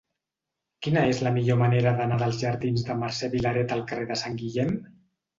Quina és la millor manera d'anar dels jardins de Mercè Vilaret al carrer de Sant Guillem?